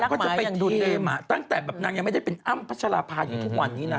ก็จะไปดูเกมตั้งแต่แบบนางยังไม่ได้เป็นอ้ำพัชราภาอยู่ทุกวันนี้นะ